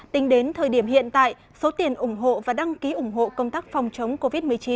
tính đến thời điểm hiện tại số tiền ủng hộ và đăng ký ủng hộ công tác phòng chống covid một mươi chín